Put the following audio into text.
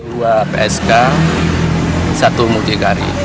dua psk satu mucikari